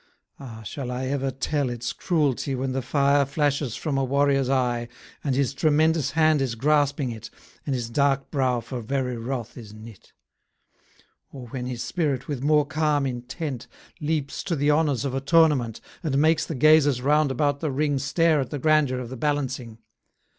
Ah! shall I ever tell its cruelty, When the fire flashes from a warrior's eye, And his tremendous hand is grasping it, And his dark brow for very wrath is knit? Or when his spirit, with more calm intent, Leaps to the honors of a tournament, And makes the gazers round about the ring Stare at the grandeur of the balancing?